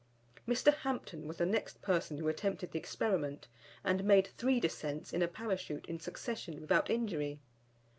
Mr. Hampton was the next person who attempted the experiment, and made three descents in a Parachute in succession without injury.